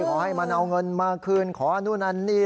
ขอให้มันเอาเงินมาคืนขอนู่นอันนี้